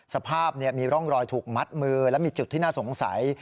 สภาพมีร่องรอยถูกมัดมือและมีจุดที่น่าสงสัย